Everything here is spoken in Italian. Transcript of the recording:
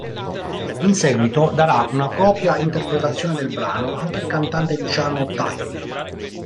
In seguito darà una propria interpretazione del brano anche il cantante Luciano Tajoli.